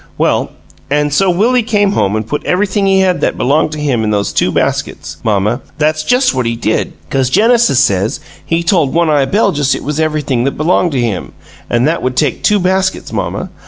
Well, an' so Willie came home an' put everything he had that b'longed to him into those two baskets, mamma that's just what he did, 'cause Genesis says he told One eye Beljus it was everything that b'longed to him, an' that would take two baskets, mamma.